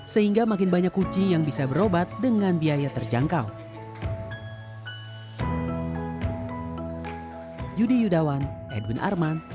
sehingga makin banyak kucing yang bisa berobat dengan kucing kucing yang berubah